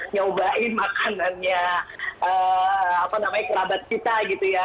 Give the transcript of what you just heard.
nyobain makanannya apa namanya kerabat kita gitu ya